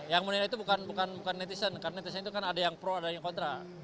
yang menilai itu bukan netizen karena netizen itu kan ada yang pro ada yang kontra